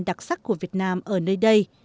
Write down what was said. đặc sắc của việt nam ở nơi đây